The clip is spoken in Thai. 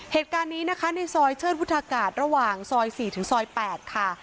เหตุการณ์นี้นะคะในซอยเชิดวุฒากาศระหว่างซอย๔ถึงซอย๘ค่ะ